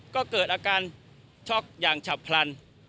ก็เกิดอาการช็อกอย่างฉับพลัน